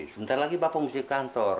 sebentar lagi bapak mesti kantor